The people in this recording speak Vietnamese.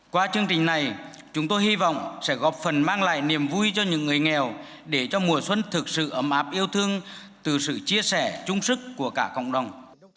qua chương trình này chúng tôi hy vọng sẽ góp phần mang lại niềm vui cho những người nghèo để cho mùa xuân thực sự ấm áp yêu thương từ sự chia sẻ trung sức của cả cộng đồng